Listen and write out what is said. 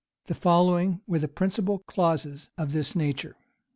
The following were the principal clauses of this nature.